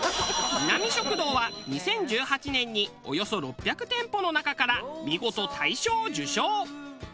ミナミ食堂は２０１８年におよそ６００店舗の中から見事大賞を受賞！